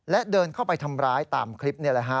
และเดินเข้าไปทำร้ายตามคลิปนี่แหละฮะ